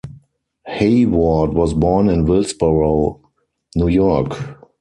Hayward was born in Willsboro, New York.